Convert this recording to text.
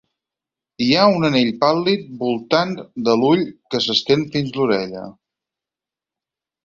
Hi ha un anell pàl·lid voltant de l'ull que s'estén fins a l'orella.